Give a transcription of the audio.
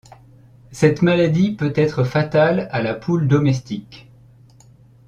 Cette maladie peut être fatale à la poule domestique.